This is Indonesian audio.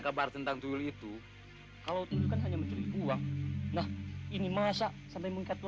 kabar tentang itu kalau itu kan hanya mencuri uang nah ini masa sampai mengikat